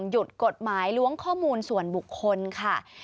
หยุดกฎหมายล้วงข้อมูลส่วนบุคคลค่ะ